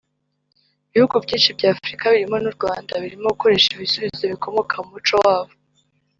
Ibihugu byinshi by’Afurika birimo n’u Rwanda birimo gukoresha ibisubizo bikomoka mu muco wabo